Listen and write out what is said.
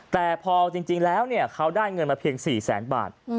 แต่พอจริงแล้วเขาได้เงินมาเพียง๔แสนบาท